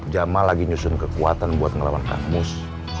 jam lagi nyusun kekuatan buat ngelawan kang mus